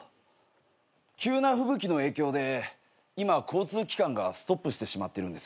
急な吹雪の影響で今交通機関がストップしてしまってるんですよね。